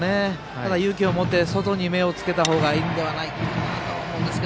ただ勇気を持って外に目をつけた方がいいのではないかと思いますが。